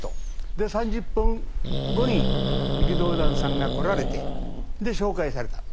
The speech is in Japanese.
で３０分後に力道山さんが来られてで紹介された。